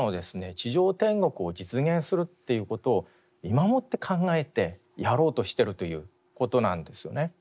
地上天国を実現するっていうことを今もって考えてやろうとしてるということなんですよね。